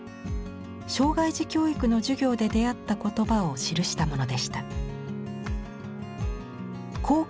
障害児教育の授業で出会った言葉を記したものでした。